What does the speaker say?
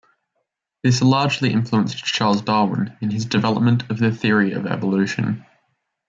This largely influenced Charles Darwin in his development of the theory of evolution.